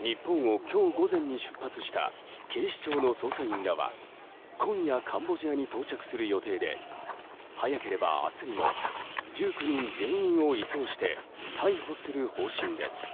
日本を今日午前に出発した警視庁の捜査員らは今夜、カンボジアに到着する予定で早ければ明日にも１９人全員を移送して逮捕する方針です。